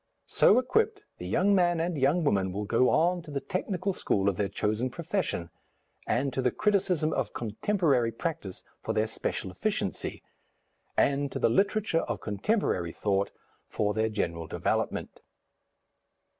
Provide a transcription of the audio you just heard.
So equipped, the young man and young woman will go on to the technical school of their chosen profession, and to the criticism of contemporary practice for their special efficiency, and to the literature of contemporary thought for their general development....